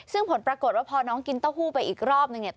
ซึ่งผลปรากฏว่าพอน้องกินเต้าหู้ไปอีกรอบนึงเนี่ย